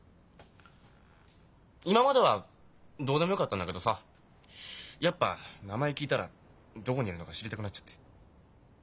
今まではどうでもよかったんだけどさやっぱ名前聞いたらどこにいるのか知りたくなっちゃって。